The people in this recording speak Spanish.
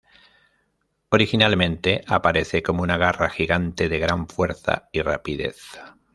Originalmente, aparece como una garra gigante de gran fuerza y rapidez.